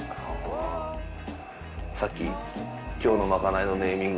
さっき今日のまかないのネーミング